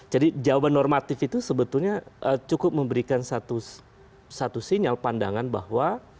jadi jawaban normatif itu sebetulnya cukup memberikan satu sinyal pandangan bahwa